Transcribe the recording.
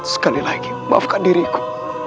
sekali lagi maafkan diriku